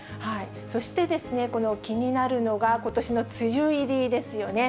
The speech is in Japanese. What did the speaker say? そしてですね、この気になるのが、ことしの梅雨入りですよね。